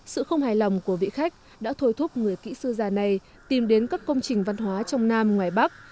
sự không hài lòng của vị khách đã thôi thúc người kỹ sư già này tìm đến các công trình văn hóa trong nam ngoài bắc